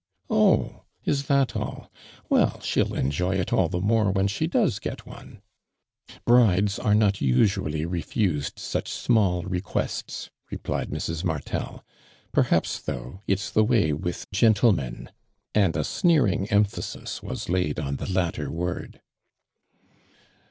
" Oh, is that all? Well, she'll enjoy it all the more vrlxen she does get one." " Brides are not usually refused such small requests," replied Mrs. Martel. " Per haps, though^ it's the way with gentle men," and a sneering emphasis was laid on the latter word.